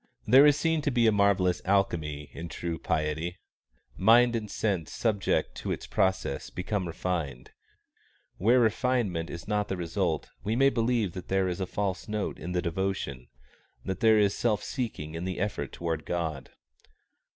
There is seen to be a marvellous alchemy in true piety. Mind and sense subject to its process become refined. Where refinement is not the result, we may believe that there is a false note in the devotion, that there is self seeking in the effort toward God.